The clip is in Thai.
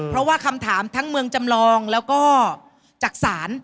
เพราะว่าคำถามทั้งเมืองจำลองแล้วก็จักษาน